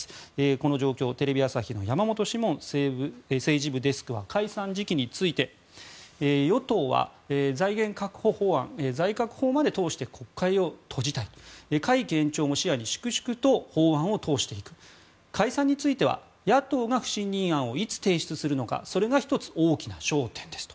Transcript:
この状況、テレビ朝日の山本志門政治部デスクは解散時期について与党は、財源確保法案財確法まで通して国会を閉じたい会期延長も視野に粛々と法案を通していく解散については、野党が不信任案をいつ提出するのかそれが１つ大きな焦点ですと。